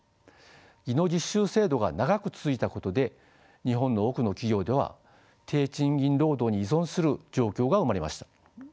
技能実習制度が長く続いたことで日本の多くの企業では低賃金労働に依存する状況が生まれました。